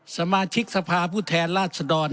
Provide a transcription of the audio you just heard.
สมาชิกสภาพผู้แทนราชดร